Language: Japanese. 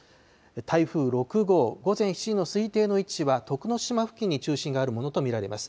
台風６号、午前７時の推定の位置は徳之島付近に中心があるものと見られます。